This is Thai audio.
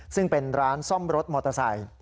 ซึ่งเป็นร้านซ่อมรถมอเตอร์ไซค์